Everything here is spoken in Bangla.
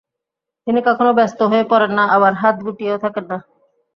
তিনি কখনো ব্যস্ত হয়ে পড়েন না, আবার হাত গুটিয়েও থাকেন না।